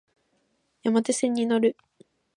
山手線に乗る